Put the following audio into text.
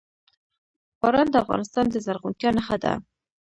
باران د افغانستان د زرغونتیا نښه ده.